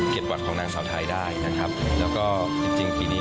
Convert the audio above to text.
เกียรติประกวดของนางสาวไทยได้นะครับแล้วก็จริงจริงปีนี้